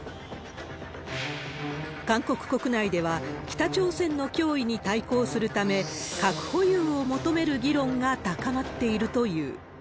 韓国国内では、北朝鮮の脅威に対抗するため、核保有を求める議論が高まっているという。